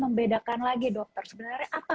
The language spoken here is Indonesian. membedakan lagi dokter sebenarnya apa